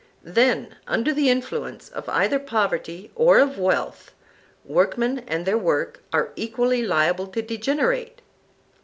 Then, under the influence either of poverty or of wealth, workmen and their work are equally liable to degenerate?